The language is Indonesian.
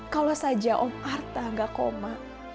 kalau saja om parta gak koma